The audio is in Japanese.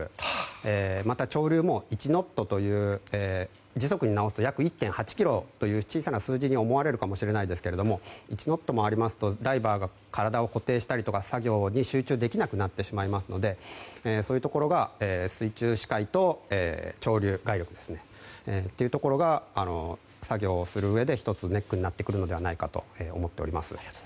また潮流も１ノットという時速に直すと約１．８キロと小さな数字に思われるかもしれませんが１ノットもありますがダイバーが、体を固定したりとか作業に集中できないと思いますのでそういうところが水中視界と潮流海流というところが作業をするうえで１つ、ネックになってくるのではないかと思っております。